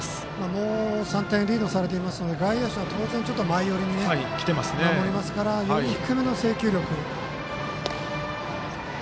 もう３点リードされていますので外野手は当然、前寄りに守りますからより低めの制球力。